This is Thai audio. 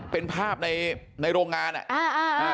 เป็นภาพในโรงงานอ่ะ